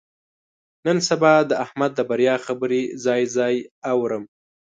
نن سبا د احمد د بریا خبرې ځای ځای اورم.